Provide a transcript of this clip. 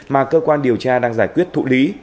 mà cơ quan điều tra đang giải quyết thụ lý